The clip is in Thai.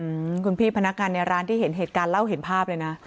อืมคุณพี่พนักงานในร้านที่เห็นเหตุการณ์เล่าเห็นภาพเลยนะ